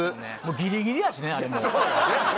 ギリギリやしねあれ